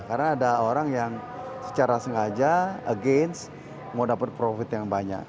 karena ada orang yang secara sengaja against mau dapat profit yang banyak